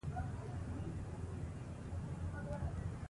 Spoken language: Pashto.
فشار باید په دویم توري باندې وي.